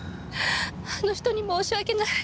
あの人に申し訳ない。